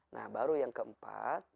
nah baru yang keempat